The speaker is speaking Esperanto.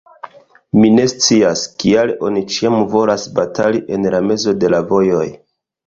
Mi ne scias, kial oni ĉiam volas batali en la mezo de la vojoj.